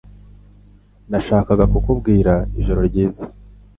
Nashakaga kukubwira ijoro ryiza.